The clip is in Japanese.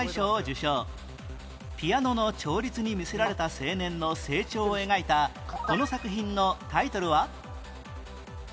ピアノの調律に魅せられた青年の成長を描いたこの作品のタイトルは？